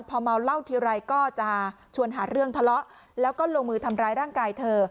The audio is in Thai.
พอเมาเหล้าทีไรก็จะชวนหาเรื่องทะเลาะแล้วก็ลงมือทำร้ายร่างกายเธอ